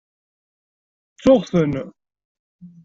Ttuɣ-ten.